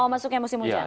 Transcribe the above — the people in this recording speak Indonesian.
oh masuknya musim hujan